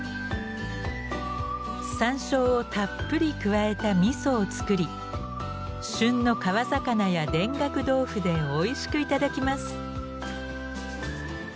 山椒をたっぷり加えたみそを作り旬の川魚や田楽豆腐でおいしく頂きます。